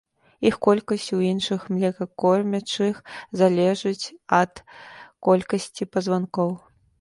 Іх колькасць у іншых млекакормячых залежыць ад колькасці пазванкоў.